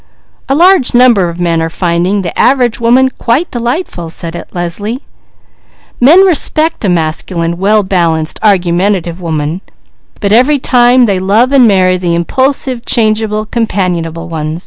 "A large number of men are finding 'the average woman' quite delightful," said Leslie. "Men respect a masculine, well balanced, argumentative woman, but every time they love and marry the impulsive, changeable, companionable one."